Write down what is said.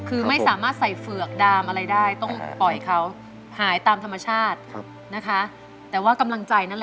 คือไม่สามารถใส่เฝือกดามอะไรได้